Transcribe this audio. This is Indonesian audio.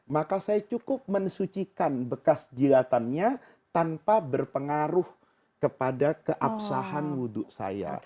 maka saya cukup mensucikan bekas jilatannya tanpa berpengaruh kepada keabsahan wudhu saya